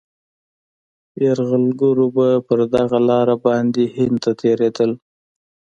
یرغلګر به پر دغه لاره باندي هند ته تېرېدل.